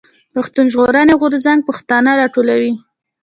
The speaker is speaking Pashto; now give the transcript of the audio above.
پښتون ژغورني غورځنګ پښتانه راټولوي.